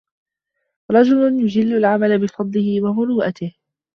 رَجُلٌ يُجِلُّ الْعَمَلَ بِفَضْلِهِ وَمُرُوءَتِهِ